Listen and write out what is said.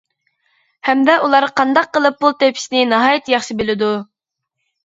ھەمدە ئۇلار قانداق قىلىپ پۇل تېپىشنى ناھايىتى ياخشى بىلىدۇ.